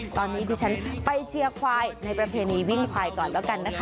ตอนนี้ดิฉันไปเชียร์ควายในประเพณีวิ่งควายก่อนแล้วกันนะคะ